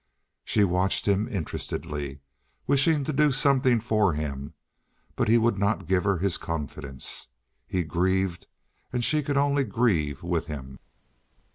She watched him interestedly, wishing to do something for him, but he would not give her his confidence. He grieved, and she could only grieve with him.